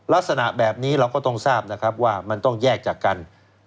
ลักษณะแบบนี้เราก็ต้องทราบนะครับว่ามันต้องแยกจากกัน